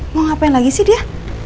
mau ngapain lagi sih dia